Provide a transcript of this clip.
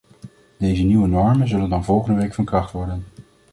Deze nieuwe normen zullen dan volgende week van kracht worden.